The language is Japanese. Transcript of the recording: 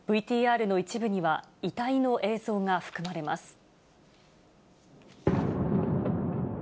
ＶＴＲの一部には遺体の映像が含まれます。